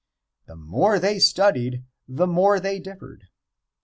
The more they studied, the more they differed.